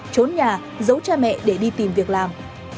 trốn nhà giấu cha mẹ để đi tìm việc làm